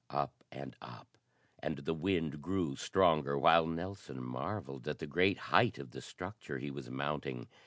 Up and up, and the wind grew stronger while Nelson marvelled at the great height of the structure he was mounting.